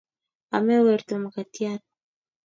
Ame werto mkatiat